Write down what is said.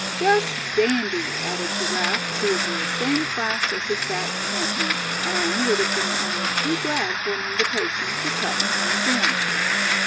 "Just dandy!" added Giraffe, who was in the same class as his fat campmate, and would have been only too glad for an invitation to "cut, and come again."